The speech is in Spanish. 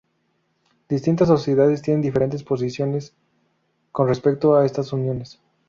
Distintas sociedades tienen diferentes posiciones con respecto a estas uniones.